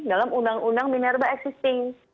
dalam undang undang minerba existing